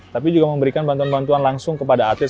tapi juga memberikan bantuan bantuan langsung kepada atlet